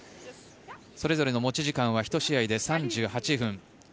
それぞれの持ち時間は１試合で３８分。